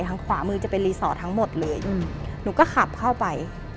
ทางขวามือจะเป็นรีสอร์ททั้งหมดเลยหนูก็ขับเข้าไป